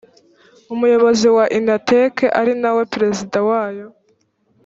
umuyobozi wa inatek ari nawe perezida wayo